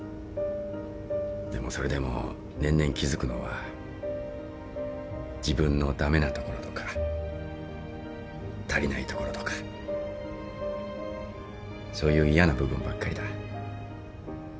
でもそれでも年々気付くのは自分の駄目なところとか足りないところとかそういう嫌な部分ばっかりだ。